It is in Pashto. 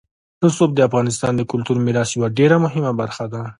رسوب د افغانستان د کلتوري میراث یوه ډېره مهمه برخه ده.